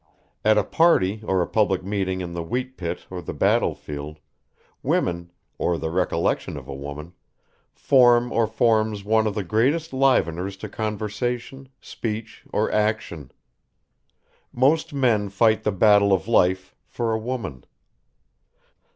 At a party or a public meeting in the Wheat Pit or the battlefield, women, or the recollection of a woman, form or forms one of the greatest liveners to conversation, speech, or action. Most men fight the battle of life for a woman.